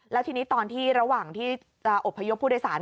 แล้วทีนี้ตอนที่ระหว่างที่จะอบพยพผู้โดยสาร